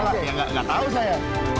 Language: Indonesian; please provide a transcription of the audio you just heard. gak tau saya